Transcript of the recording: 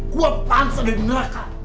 gue pansa dari neraka